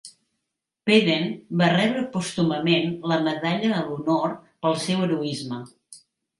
Peden va rebre pòstumament la Medalla a l'Honor pel seu heroisme.